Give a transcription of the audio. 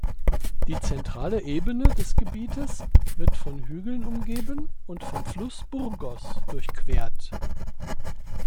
Die zentrale Ebene des Gebietes wird von Hügeln umgeben und vom Fluss "Burgos" durchquert.